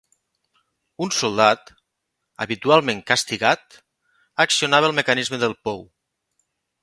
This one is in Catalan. Un soldat, habitualment castigat, accionava el mecanisme del pou.